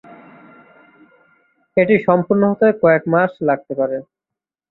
এটি সম্পূর্ণ হতে কয়েক মাস লাগতে পারে।